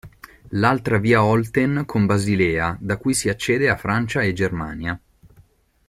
L'altra via Olten con Basilea da cui si accede a Francia e Germania.